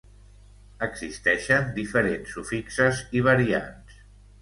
Existeixen diferents sufixes i variants.